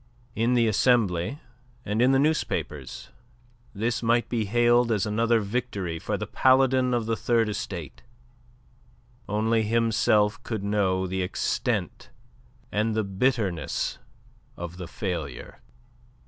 In the Assembly and in the newspapers this might be hailed as another victory for the Paladin of the Third Estate; only himself could know the extent and the bitternest of the failure.